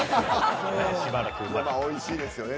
おいしいですよね